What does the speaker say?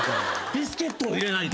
ビスケットを入れないと。